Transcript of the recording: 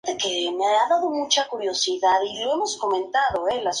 Sayid contesta que Ben utilizó esa circunstancia para reclutarlo.